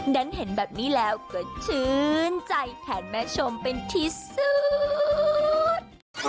นั้นเห็นแบบนี้แล้วก็ชื่นใจแทนแม่ชมเป็นที่สุด